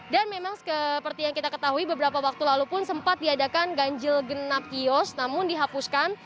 dan memang seperti yang kita ketahui beberapa waktu lalu pun sempat diadakan ganjil genap kios namun dihapuskan